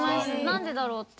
何でだろうって。